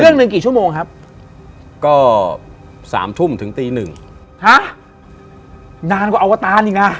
เรื่องเดินกี่ชั่วโมงครับก็สามทุ่มถึงตีหนึ่งนานกว่าอวตารยังไง